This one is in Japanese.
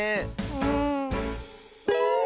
うん。